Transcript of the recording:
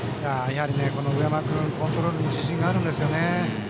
やはり上山君コントロールに自信があるんですね。